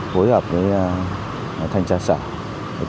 hối hợp với thanh tra sở